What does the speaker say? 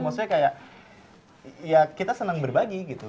maksudnya kayak ya kita senang berbagi gitu